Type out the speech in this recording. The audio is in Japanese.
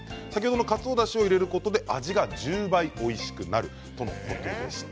カツオだしを入れることで味が１０倍おいしくなるとのことでした。